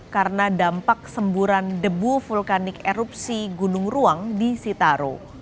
karena dampak semburan debu vulkanik erupsi gunung ruang di sitaro